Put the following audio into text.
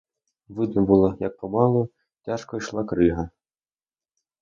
Видно було, як помалу, тяжко йшла крига.